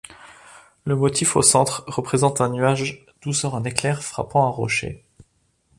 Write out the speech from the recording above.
Le motif au centre représente un nuage d'où sort un éclair frappant un rocher.